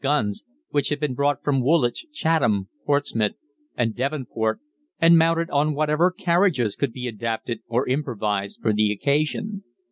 guns, which had been brought from Woolwich, Chatham, Portsmouth, and Devonport, and mounted on whatever carriages could be adapted or improvised for the occasion.